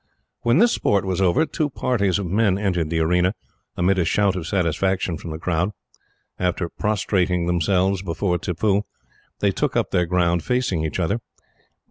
When this sport was over, two parties of men entered the arena, amid a shout of satisfaction from the crowd. After prostrating themselves before Tippoo, they took up their ground facing each other.